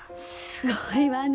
すごいわね